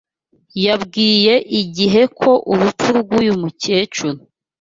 yabwiye IGIHE ko urupfu rw’uyu mukecuru